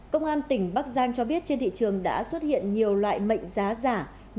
công an tỉnh bắc giang cho biết trên thị trường đã xuất hiện nhiều loại mệnh giá giả